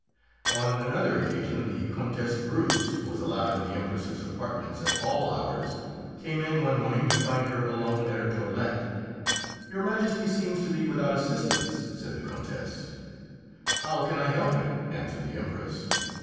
On another occasion the Countess Bruce, who was allowed in the Empress's apartments at all hours, came in one morning to find her alone at her toilet. "Your Majesty seems to be without assistance," said the Countess. "How can I help it?" answered the Empress.